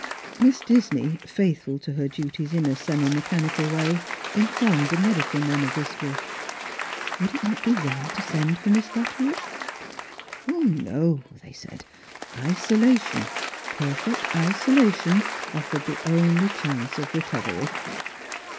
Miss Disney, faithful to her duties iu a semi mechanical waj, informed ^he medical men of this wish. ••Would it not be well to send for Miss Luttrell?" 326 Strangers and Filgrhm, No, they said. Isolation — perfect isolation — offered the only chance of recovery.